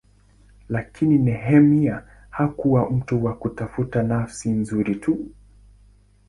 Lakini Nehemia hakuwa mtu wa kutafuta nafasi nzuri tu.